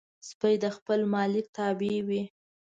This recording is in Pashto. سپي د خپل مالک تابع وي.